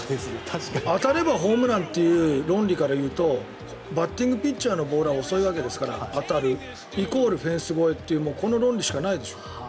当たればホームランという論理からいうとバッティングピッチャーのボールは遅いわけですから当たるイコールフェンス越えというこの論理しかないでしょ。